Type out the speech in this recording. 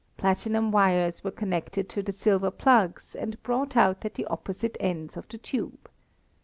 Platinum wires were connected to the silver plugs and brought out at the opposite ends of the tube.